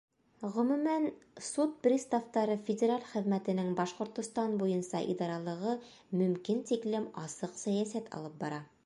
Ғөмүмән, Суд приставтары федераль хеҙмәтенең Башҡортостан буйынса идаралығы мөмкин тиклем асыҡ сәйәсәт алып бара.